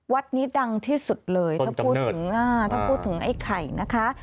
วัดนี้ดังที่สุดเลยถ้าพูดถึงไอ้ไข่นะคะ